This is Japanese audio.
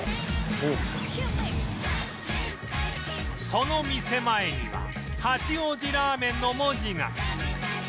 その店前には「八王子ラーメン」の文字が